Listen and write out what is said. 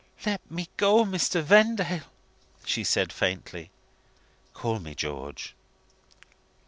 "Let me go, Mr. Vendale!" she said faintly. "Call me George."